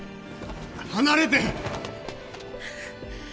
離れて！